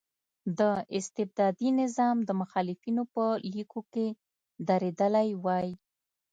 د استبدادي نظام د مخالفینو په لیکو کې درېدلی وای.